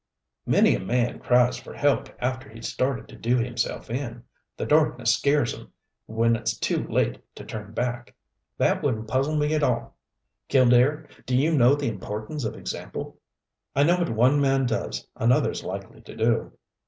"Many a man cries for help after he's started to do himself in. The darkness scares 'em, when it's too late to turn back. That wouldn't puzzle me at all. Killdare, do you know the importance of example?" "I know that what one man does, another's likely to do."